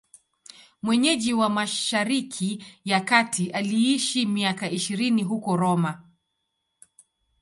Mwenyeji wa Mashariki ya Kati, aliishi miaka ishirini huko Roma.